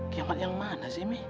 kiamat yang mana sih ini